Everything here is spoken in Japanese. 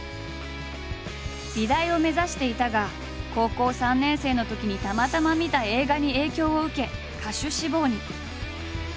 美大を目指していたが高校３年生のときにたまたま見た映画に影響を受け歌手志望に。